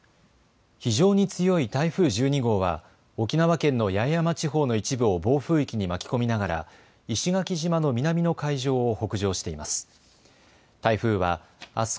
非常に強い台風１２号は沖縄県の八重山地方の一部を暴風域に巻き込みながら石垣島の南の海上を北上しています。